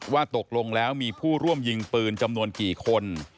ว่าตกลงแล้วมีผู้ร่วมยิงปืนจำนวนกี่คน